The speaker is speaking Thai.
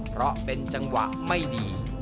เพราะเป็นจังหวะไม่ดี